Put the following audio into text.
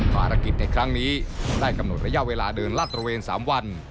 ภารกิจในครั้งนี้ได้กำหนดระยะเวลาเดินลาดตระเวน๓วัน